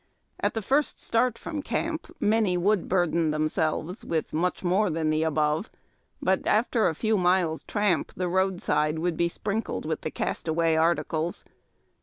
At the first start from camp many would burden themselves with much more than the above, but after a few miles tramp the roadside would be sprinkled with the cast away articles.